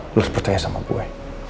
lo seperti aja sama gue